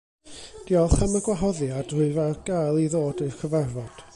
Diolch am y gwahoddiad, rwyf ar gael i ddod i'r cyfarfod.